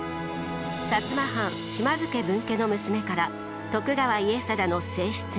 摩藩島津家分家の娘から徳川家定の正室に。